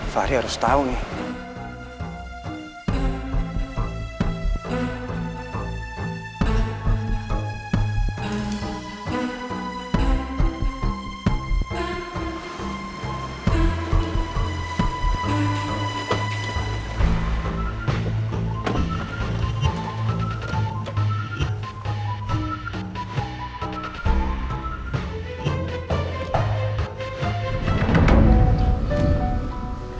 fahri harus tau nih